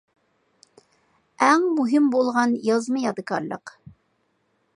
ئەڭ مۇھىم بولغان يازما يادىكارلىق.